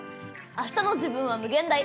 あしたの自分は無限大。